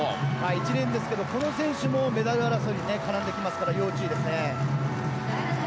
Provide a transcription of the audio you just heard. １レーンですがこの選手もメダル争いに絡んできますから要注意ですね。